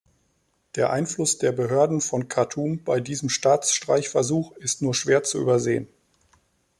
Der Einfluss der Behörden von Khartum bei diesem Staatsstreichversuch ist nur schwer zu übersehen.